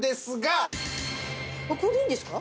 これでいいんですか？